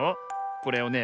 これをね